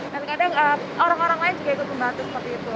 dan kadang orang orang lain juga ikut membantu seperti itu